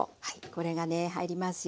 これがね入りますよ。